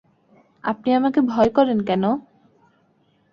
আপনি আমাকে ভয় করেন কেন?